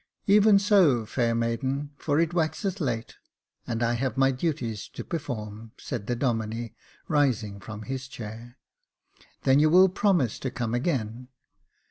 " Even so, fair maiden, for it waxeth late, and I have my duties to perform," said the Domine, rising from his chair. " Then you will promise to come again."